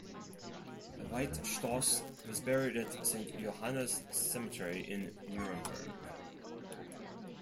Veit Stoss was buried at Saint Johannis cemetery in Nuremberg.